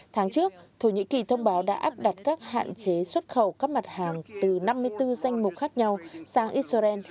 tháng trước thổ nhĩ kỳ thông báo đã áp đặt các hạn chế xuất khẩu các mặt hàng từ năm mươi bốn danh mục khác nhau sang israel